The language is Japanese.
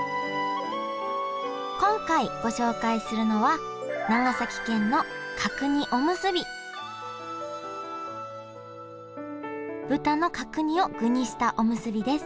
今回ご紹介するのは長崎県の角煮おむすび豚の角煮を具にしたおむすびです。